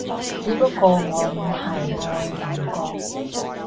只不過我唔係愛鄰國